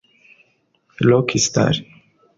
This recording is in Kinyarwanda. Rockstar